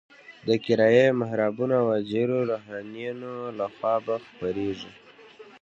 د کرایي محرابونو او اجیرو روحانیونو لخوا به خپرېږي.